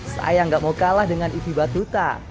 saya ga mau kalah dengan ify batuta